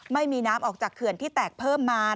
ไม่มีน้ำออกจากเขื่อนที่แตกเพิ่มมา